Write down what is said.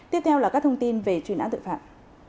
tiếp theo là các thông tin về truy nã tội phạm